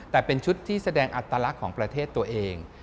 แต่เป็นชุดที่แสดงอัตลักษณ์ของประเทศตัวเอง